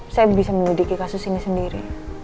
saya bisa menyelidiki kasus ini sendiri